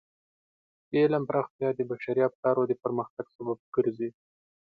د علم پراختیا د بشري افکارو د پرمختګ سبب ګرځي.